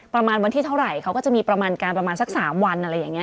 ประมาณวันที่เท่าไหร่เขาก็จะมีประมาณการประมาณสัก๓วันอะไรอย่างนี้